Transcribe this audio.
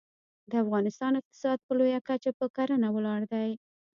د افغانستان اقتصاد په لویه کچه په کرنه ولاړ دی